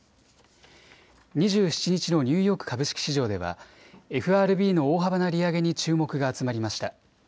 ２７日のニューヨーク株式市場ではＦＲＢの大幅な利上げに注目が集まりました。